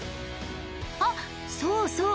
あっそうそう。